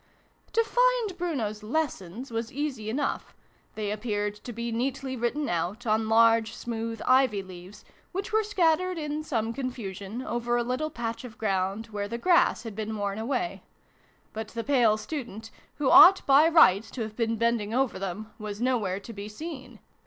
To find Bruno's lessons was easy enough : they appeared to be neatly written out on large smooth ivy leaves, which were scattered in some confusion over a little patch of ground where the grass had been worn away ; but the pale student, who ought by rights to have been bending over them, was nowhere to be seen : SYLVIE AND BRUNO CONCLUDED.